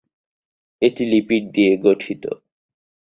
এটি লিপিড দিয়ে গঠিত।